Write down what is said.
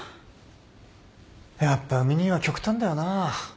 やっぱ海兄は極端だよなぁ。